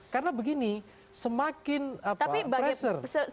karena begini semakin pressure tapi bagi supported begini bagaimanapun bentuk narasi itu